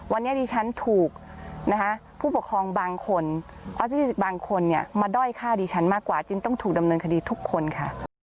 วันนี้ดิฉันถูกนะคะผู้ปกครองบางคนออทิสติกบางคนเนี่ยมาด้อยฆ่าดิฉันมากกว่าจึงต้องถูกดำเนินคดีทุกคนค่ะ